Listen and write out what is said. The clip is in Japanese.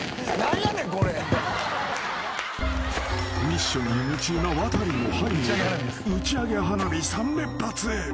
［ミッションに夢中のワタリの背後で打ち上げ花火３連発］